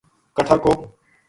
کَٹھا کو